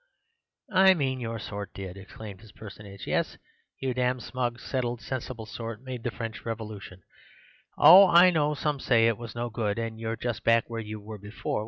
"'I mean your sort did!' exclaimed this personage. 'Yes, your damned smug, settled, sensible sort made the French Revolution. Oh! I know some say it was no good, and you're just back where you were before.